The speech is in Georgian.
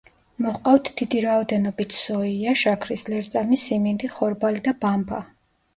მოჰყავთ დიდი რაოდენობით სოია, შაქრის ლერწამი, სიმინდი, ხორბალი და ბამბა.